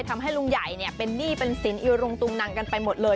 ทำให้ลุงใหญ่เป็นหนี้เป็นสินอิรุงตุงนังกันไปหมดเลย